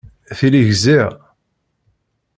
Tili gziɣ.